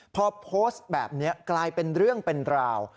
พอโพสต์แบบนี้กลายเป็นเรื่องเป็นราว